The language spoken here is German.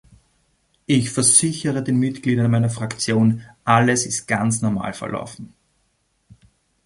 Ich versichere den Mitgliedern meiner Fraktion, alles ist ganz normal verlaufen.